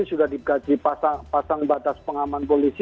sudah digaji pasang batas pengaman polisi